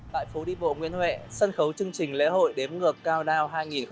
tại phố đi bộ nguyễn huệ sân khấu chương trình lễ hội đếm ngược cao đao hai nghìn hai mươi